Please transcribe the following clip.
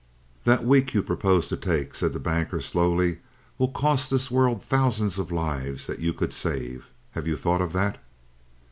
"That week you propose to take," said the Banker slowly, "will cost this world thousands of lives that you could save. Have you thought of that?"